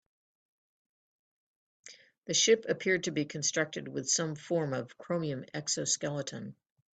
The ship appeared to be constructed with some form of chromium exoskeleton.